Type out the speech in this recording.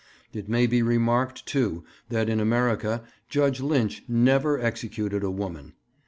It may be remarked, too, that in America Judge Lynch never executed a woman.